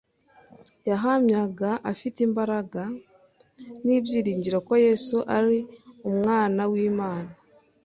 Yahamyaga afite imbaraga n'ibyiringiro ko Yesu ari Umwana w'hmana.